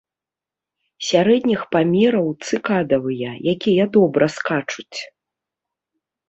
Сярэдніх памераў цыкадавыя, якія добра скачуць.